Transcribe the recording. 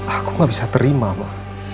aku gak bisa terima mah